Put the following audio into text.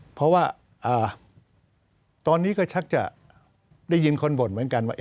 เพราะว่าตอนนี้ก็ชักจะได้ยินคนบ่นเหมือนกันว่า